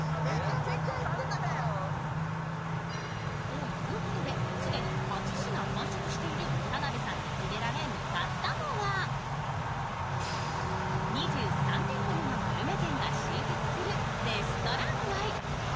ということで、既に８品完食している田辺さんに連れられ向かったのは２３店舗ものグルメ店が集結するレストラン街。